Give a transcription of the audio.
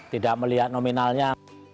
tidak melihat nominalnya